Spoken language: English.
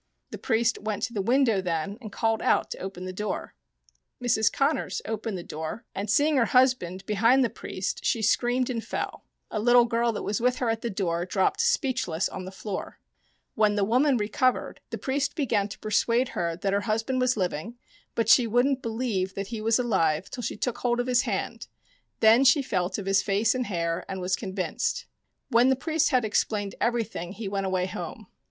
The priest went to the window then and called out to open the door. Mrs. Connors opened the door, and seeing her hus Fitzgerald and Daniel O'Donohue 17 band behind the priest she screamed and fell : a little girl that was with her at the door dropped speechless on the floor. When the woman recovered, the priest began to persuade her that her husband was living, but she wouldn't believe that he was alive till she took hold of his hand : then she felt of his face and hair and was convinced. When the priest had explained everything he went away home.